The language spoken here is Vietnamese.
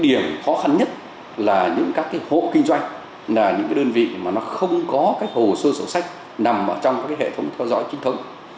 điểm khó khăn nhất là những các cái hộ kinh doanh là những cái đơn vị mà nó không có cái hồ sơ sổ sách nằm trong các cái hệ thống theo dõi chính thức